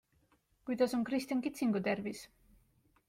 Kuidas on Kristjan Kitsingu tervis?